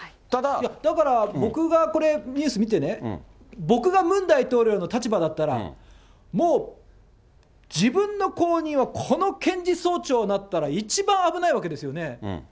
だから、僕がこれニュース見てね、僕がムン大統領の立場だったら、もう自分の後任はこの検事総長になったら一番危ないわけですよね。